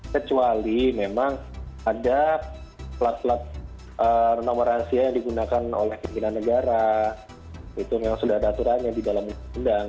kecuali memang ada plat plat nomor rahasia yang digunakan oleh pimpinan negara itu memang sudah ada aturannya di dalam undang undang